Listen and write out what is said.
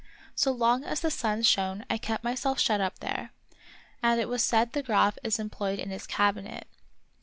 So long as the sun shone I kept my self shut up there, and it was said the Graf is employed in his cabinet.